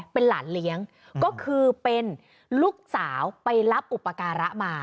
เป็นหลานเลี้ยงก็คือเป็นลูกสาวไปรับอุปการะมา